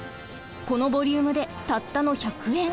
このボリュームでたったの１００円。